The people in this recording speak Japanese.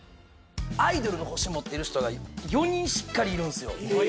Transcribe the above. アイドルの星持ってる人が４人しっかりいるんすよ